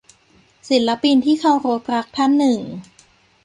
ศิลปินที่เคารพรักท่านหนึ่ง